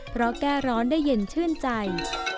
เพราะแก้ร้อนได้เย็นชื่นใจ